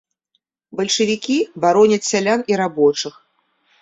Бальшавікі бароняць сялян і рабочых.